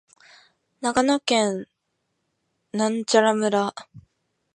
長野県泰阜村